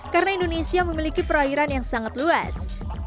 karena indonesia memiliki perairan yang sangat luas